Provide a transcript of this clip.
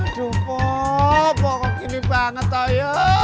aduh pok kok gini banget toyo